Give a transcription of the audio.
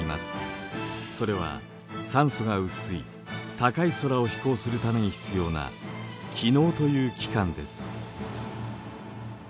それは酸素が薄い高い空を飛行するために必要な「気のう」という器官です。